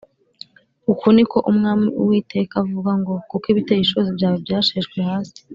Uku ni ko Umwami Uwiteka avuga ngo: Kuko ibiteye ishozi byawe byasheshwe hasi